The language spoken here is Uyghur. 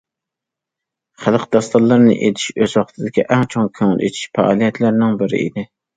خەلق داستانلىرىنى ئېيتىش ئۆز ۋاقتىدىكى ئەڭ چوڭ كۆڭۈل ئېچىش پائالىيەتلىرىنىڭ بىرى ئىدى.